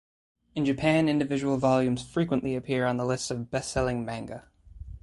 In Japan, individual volumes frequently appear on the lists of best-selling manga.